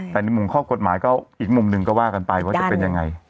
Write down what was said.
แต่ในมุมข้อกฎหมายก็อีกมุมหนึ่งก็ว่ากันไปว่าจะเป็นยังไง